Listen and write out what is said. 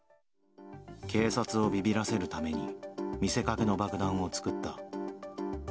警察をびびらせるために、見せかけの爆弾を作った。